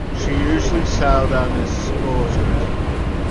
She usually sailed unescorted.